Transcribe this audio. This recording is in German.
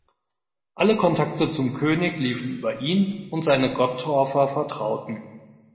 Alle Kontakte zum König liefen über ihn und seine Gottorfer Vertrauten.